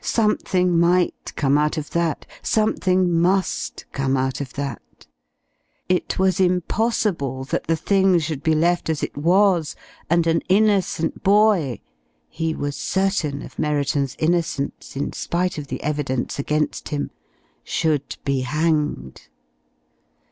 Something might come out of that something must come of that. It was impossible that the thing should be left as it was, and an innocent boy he was certain of Merriton's innocence, in spite of the evidence against him should be hanged.